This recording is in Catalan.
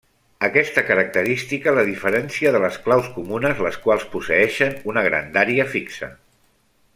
Aquesta característica la diferència de les claus comunes les quals posseeixen una grandària fixa.